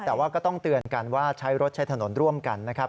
แต่ว่าก็ต้องเตือนกันว่าใช้รถใช้ถนนร่วมกันนะครับ